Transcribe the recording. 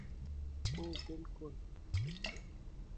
هغه بکس په خپل ځای کېښود.